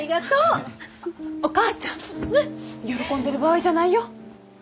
お母ちゃん喜んでる場合じゃないよ。